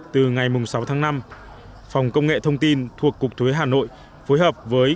từ ngày sáu tháng năm phòng công nghệ thông tin thuộc cục thuế hà nội phối hợp với